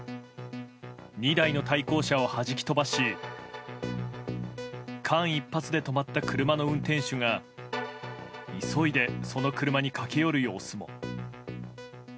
２台の対向車をはじき飛ばし間一髪で止まった車の運転手が急いでその車に駆け寄る様子も。